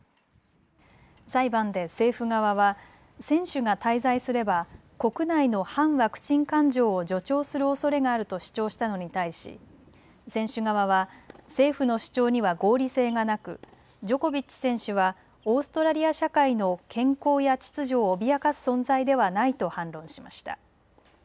裁判で政府側は選手が滞在すれば国内の反ワクチン感情を助長するおそれがあると主張したのに対し選手側は政府の主張には合理性がなくジョコビッチ選手はオーストラリア社会の健康や秩序を脅かす存在ではないと反論しました。